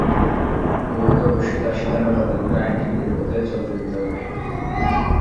দুদককে অবশ্যই তার সিদ্ধান্ত বাতিল করে আইনকে নিজের পথে চলতে দিতে হবে।